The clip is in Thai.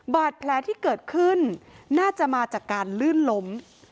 บาดแผลที่เกิดขึ้นน่าจะมาจากการลื่นล้ม